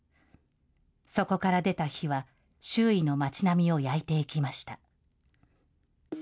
そこから出た火は、周囲の町並みを焼いていきました。